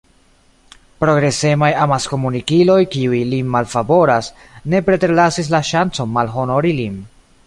Progresemaj amaskomunikiloj, kiuj lin malfavoras, ne preterlasis la ŝancon malhonori lin.